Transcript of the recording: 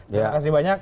terima kasih banyak